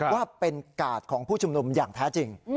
ว่าเป็นกาดของผู้ชุมนุมอย่างแท้จริง